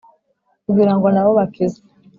Kugira ngo na bo bakizwe